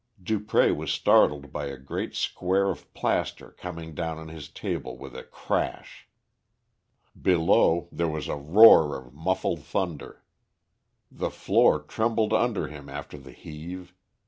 Dupré was startled by a great square of plaster coming down on his table with a crash. Below, there was a roar of muffled thunder. The floor trembled under him after the heave.